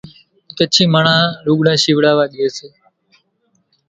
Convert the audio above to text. ڪڇي ماڻۿان لوڳڙان شيوڙاوشي ڄي سي،